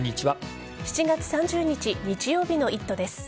７月３０日日曜日の「イット！」です。